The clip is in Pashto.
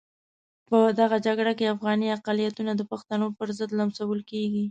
په دغه جګړه کې افغاني اقلیتونه د پښتنو پرضد لمسول کېږي.